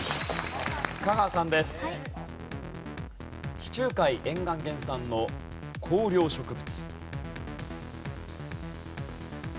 地中海沿岸原産の香料植物。